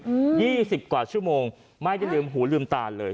ยี่สิบกว่าชั่วโมงไม่ได้ลืมหูลืมตาเลย